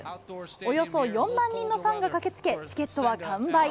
およそ４万人のファンが駆けつけ、チケットは完売。